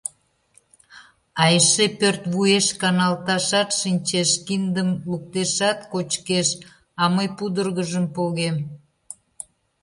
А эше пӧрт вуеш каналташат шинчеш, киндым луктешат, кочкеш, а мый пудыргыжым погем.